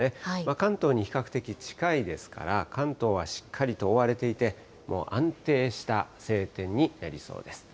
関東に比較的近いですから、関東はしっかりと覆われていて、もう安定した晴天になりそうです。